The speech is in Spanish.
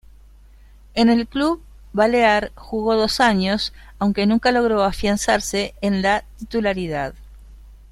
En el club balear jugó dos años, aunque nunca logró afianzarse en la titularidad.